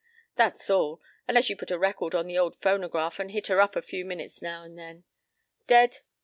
That's all. Unless you put a record on the old phonograph and hit 'er up a few minutes now and then. Dead?